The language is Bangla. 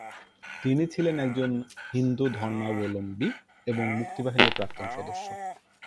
তিনি ছিলেন একজন হিন্দু ধর্মাবলম্বী এবং মুক্তি বাহিনীর প্রাক্তন সদস্য।